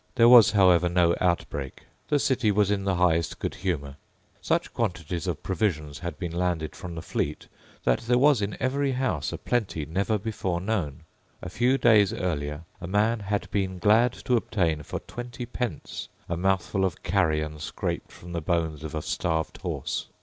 There was, however, no outbreak. The city was in the highest good humour. Such quantities of provisions had been landed from the fleet, that there was in every house a plenty never before known. A few days earlier a man had been glad to obtain for twenty pence a mouthful of carrion scraped from the bones of a starved horse.